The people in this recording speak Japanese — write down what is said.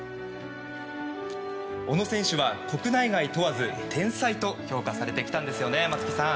小野選手は国内外問わず天才と評価されてきたんですよね松木さん！